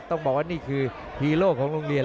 ต้องบอกว่านี่คือฮีโร่ของโรงเรียน